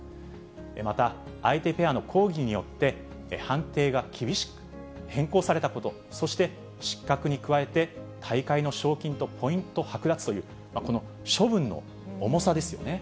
また相手ペアの抗議によって判定が厳しく変更されたこと、そして、失格に加えて、大会の賞金とポイント剥奪という、この処分の重さですよね。